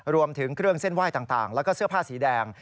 รวมถึงเครื่องเส้นไหว้ต่างแล้วก็เสื้อผ้าสีแดง